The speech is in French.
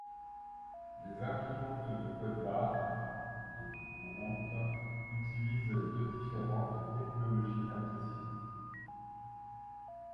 Les imprimantes de codes-barres les plus courantes utilisent deux différentes technologies d'impression.